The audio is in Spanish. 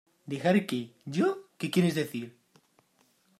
¿ Dejar qué? Yo... ¿ qué quieres decir ?